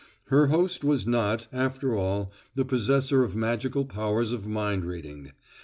Her host was not, after all, the possessor of magical powers of mind reading.